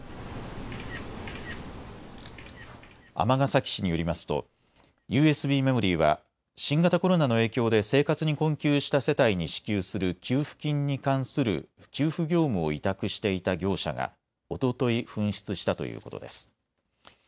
尼崎市によりますとＵＳＢメモリーは新型コロナの影響で生活に困窮した世帯に支給する給付金に関する給付業務を委託していた業者がおととい紛失したということです。